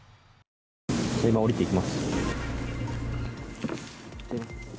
今降りていきます。